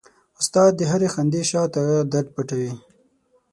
استاد د هرې خندې شاته درد پټوي.